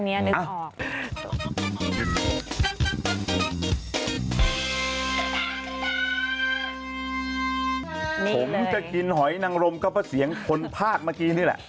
ผมจะกินหอยนังรมก็เพราะเสียงคนภาคเมื่อกี้นี่แหละ